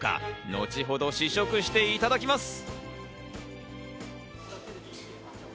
後ほど試食していただきます。